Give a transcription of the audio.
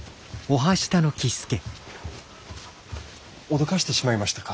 脅かしてしまいましたか。